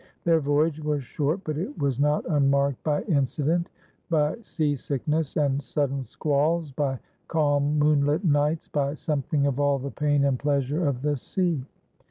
Their voyage was short, but it was not unmarked by incident, by sea sickness and sudden squalls, by calm moonlit nights, by something of all the pain and pleasure of the sea.